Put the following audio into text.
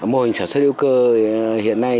mô hình sản xuất hữu cơ hiện nay